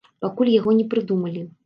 Пакуль яго не прыдумалі.